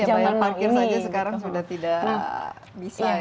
bayar parkir saja sekarang sudah tidak bisa ya